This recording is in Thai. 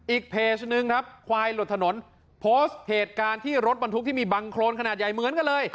อีกเพจนึงครับควายหลุดถนนโพสต์เหตุการณ์ที่รถบรรทุกที่มีบังโครนขนาดใหญ่เหมือนกันเลย